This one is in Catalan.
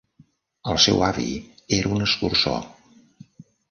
El seu avi era un escurçó.